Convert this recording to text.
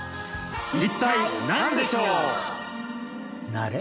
一体何でしょう？